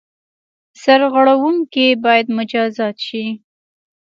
سرغړوونکي باید مجازات شي.